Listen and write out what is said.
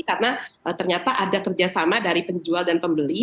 karena ternyata ada kerjasama dari penjual dan pembeli